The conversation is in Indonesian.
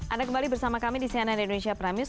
anda kembali bersama kami di cnn indonesia prime news